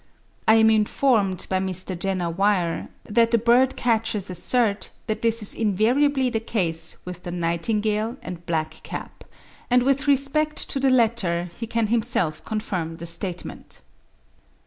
I am informed by Mr. Jenner Weir, that the bird catchers assert that this is invariably the case with the nightingale and blackcap, and with respect to the latter he can himself confirm the statement.